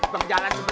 bang jalan sebentar